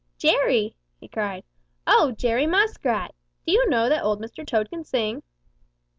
"Jerry!" he cried. "Oh, Jerry Muskrat! Do you know that Old Mr. Toad can sing?"